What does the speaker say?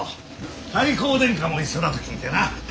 太閤殿下も一緒だと聞いてな。